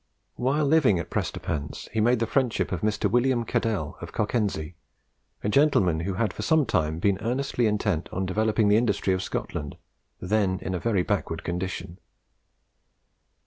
While living at Prestonpans, he made the friendship of Mr. William Cadell, of Cockenzie, a gentleman who had for some time been earnestly intent on developing the industry of Scotland, then in a very backward condition.